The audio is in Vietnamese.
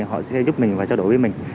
họ sẽ giúp mình và trao đổi với mình